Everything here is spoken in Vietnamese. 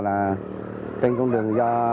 tuy nhiên con đường do lưu thông của nó